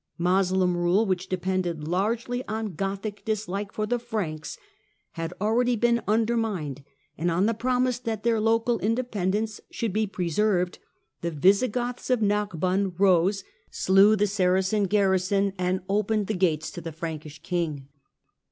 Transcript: Moslem rule, which depended largely on Gothic dislike for the Franks, had already been undermined, and on the promise that their local independence should be pre served the Visigoths of Narbonne rose, slew the Saracen garrison and opened the gates to the Frankish king.